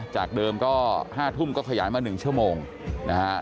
จากเดิมก็๕ทุ่มก็ขยายมา๑ชั่วโมงนะฮะ